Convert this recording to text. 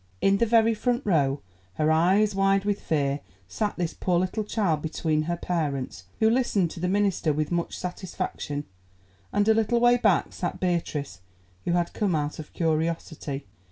In the very front row, her eyes wide with fear, sat this poor little child between her parents, who listened to the Minister with much satisfaction, and a little way back sat Beatrice, who had come out of curiosity.